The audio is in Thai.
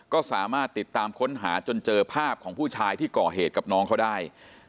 ก็สามารถติดตามค้นหาจนเจอภาพของผู้ชายที่ก่อเหตุกับน้องเขาได้